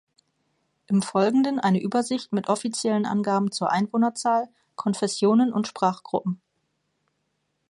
Im Folgenden eine Übersicht mit offiziellen Angaben zu Einwohnerzahl, Konfessionen und Sprachgruppen.